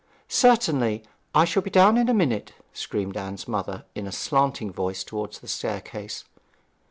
'Certainly; I shall be down in a minute,' screamed Anne's mother in a slanting voice towards the staircase.